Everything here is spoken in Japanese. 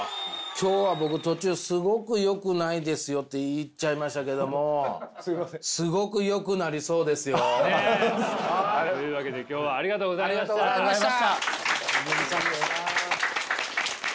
今日は僕途中「すごくよくないですよ」って言っちゃいましたけどもというわけで今日はありがとうございました。